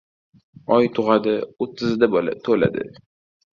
Oy tug‘adi, o‘ttizida to‘ladi.